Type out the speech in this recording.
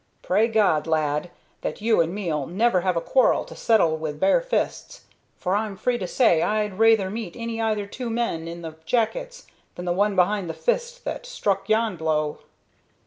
Pray God, lad, that you and me'll never have a quarrel to settle wi' bare fists, for I'm free to say I'd rayther meet any ither two men in the Jackets than the one behind the fist that struck yon blow."